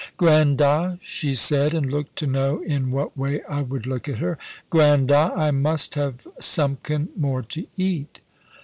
"Grand da!" she said, and looked to know in what way I would look at her; "Grand da, I must have sumkin more to eat."